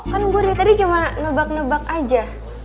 kan burni tadi cuma nebak nebak aja